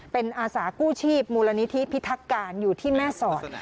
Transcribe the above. เป็นอาสากู้ชีพมูลนิธิพิทักการอยู่ที่แม่สอด